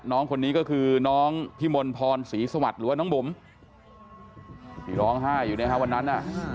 น้องคนนี้ก็คือน้องพิมลพรศรีสวัสดิ์หรือว่าน้องบุ๋มที่ร้องไห้อยู่เนี่ยฮะวันนั้น